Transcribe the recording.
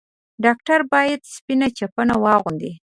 ډاکټر بايد سپينه چپنه واغوندي.